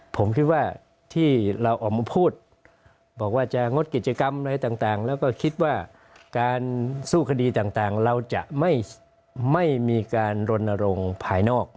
ผมคิดว่าที่เราออกมาพูดบอกว่าจะงดกิจกรรมอะไรต่างแล้วก็คิดว่าการสู้คดีต่างเราจะไม่มีการรณรงค์ภายนอก